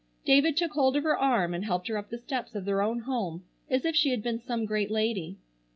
David took hold of her arm and helped her up the steps of their own home as if she had been some great lady.